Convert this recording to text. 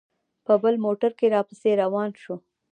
په بل موټر کې را پسې روان شو.